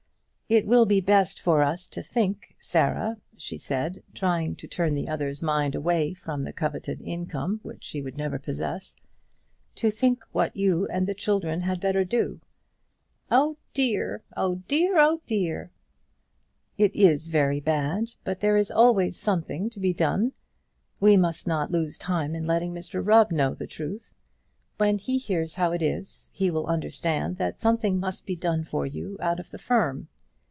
"It will be best for us to think, Sarah," she said, trying to turn the other's mind away from the coveted income which she would never possess "to think what you and the children had better do." "Oh, dear! oh, dear! oh, dear!" "It is very bad; but there is always something to be done. We must lose no time in letting Mr Rubb know the truth. When he hears how it is, he will understand that something must be done for you out of the firm."